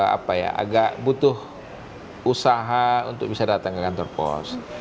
apa ya agak butuh usaha untuk bisa datang ke kantor pos